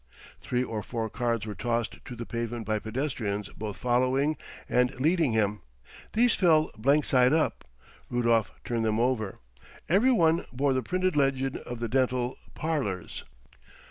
Three or four cards were tossed to the pavement by pedestrians both following and leading him. These fell blank side up. Rudolf turned them over. Every one bore the printed legend of the dental "parlours."